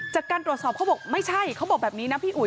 จากการตรวจสอบเขาบอกไม่ใช่เขาบอกแบบนี้นะพี่อุ๋